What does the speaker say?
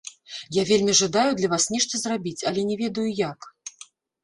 Я вельмі жадаю для вас нешта зрабіць, але не ведаю як.